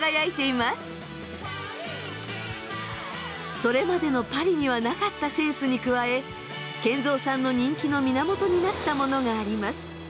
それまでのパリにはなかったセンスに加え賢三さんの人気の源になったものがあります。